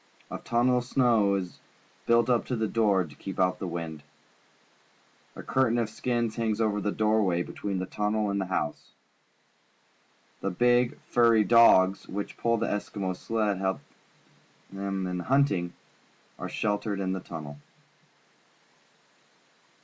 A tunnel of snow is built up to the door to keep out the wind. A curtain of skins hangs over the doorway between the tunnel and the house. The big, furry dogs, which pull the Eskimo's sled and help him in hunting, are .sheltered in the tunnel.